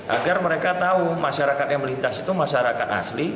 agar mereka tahu masyarakat yang melintas itu masyarakat asli